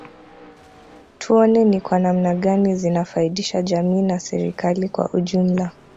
Tuone ni kwa namna gani zinafaidisha jamii na serikali kwa ujumla